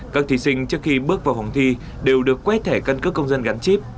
các thí sinh trước khi bước vào phòng thi đều được quét thẻ căn cước công dân gắn chip